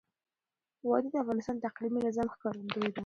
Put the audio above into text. وادي د افغانستان د اقلیمي نظام ښکارندوی ده.